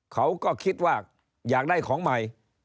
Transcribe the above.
เขาก็คิดว่าอยากได้ของใหม่